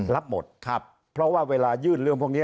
รับหมดครับเพราะว่าเวลายื่นเรื่องพวกนี้